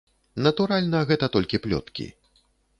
Натуральна, гэта толькі плёткі.